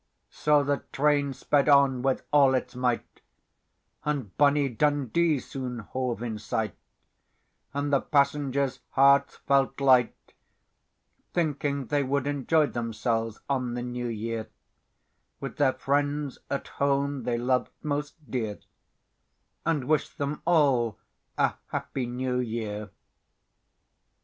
So the train sped on with all its might, And Bonnie Dundee soon hove in sight, And the passengers' hearts felt light, Thinking they would enjoy themselves on the New Year, With their friends at home they lov'd most dear, And wish them all a happy New Year.